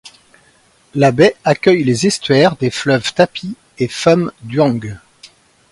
La baie accueille les estuaires des fleuves Tapi et Phum Duang.